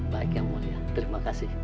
baik yang mulia terima kasih